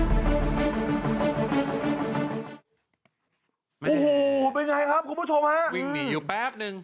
โอ้โหเป็นไงครับคุณผู้ชมฮะวิ่งหนีอยู่แป๊บนึง